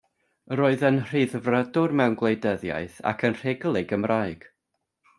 Roedd yn Rhyddfrydwr mewn gwleidyddiaeth ac yn rhugl ei Gymraeg.